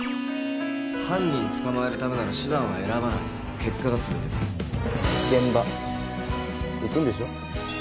犯人捕まえるためなら手段は選ばない結果がすべてだ現場行くんでしょ？